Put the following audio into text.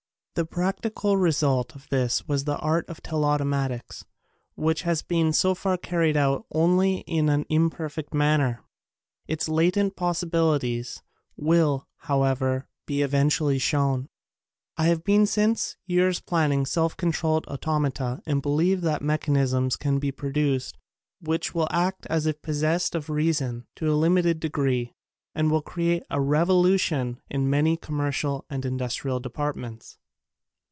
The practical result of this was the art of telautomatics which has been so far carried out only in an imper fect manner. Its latent possibilities will, however, be eventually shown. I have been since years planning self controlled auto mata and believe that mechanisms can be produced which will act as if possest of reason, to a limited degree, and will create a revolution in many commercial and in dustrial departments.